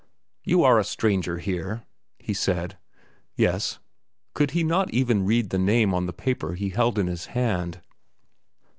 "You are a stranger here?" he said. "Yes." Could he not even read the name of the paper he held in his hand?